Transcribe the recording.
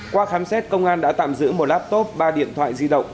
qua khám xét công an đã tạm giữ một laptop ba điện thoại di động